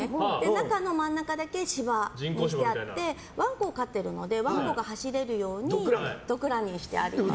中の真ん中だけ芝でワンコを飼っているのでワンコが走れるようにドッグランにしてあります。